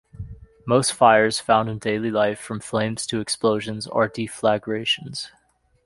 Most "fires" found in daily life, from flames to explosions, are deflagrations.